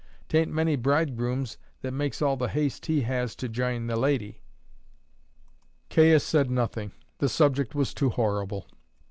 'Tain't many bridegrooms that makes all the haste he has to jine the lady." Caius said nothing; the subject was too horrible.